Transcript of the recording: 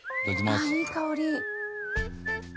あっいい香り！